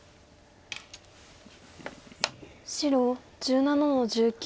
白１７の十九。